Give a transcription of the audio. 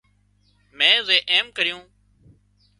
مين زي ايم ڪريون